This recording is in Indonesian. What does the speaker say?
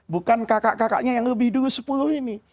bukan kakak kakaknya yang lebih dulu sepuluh ini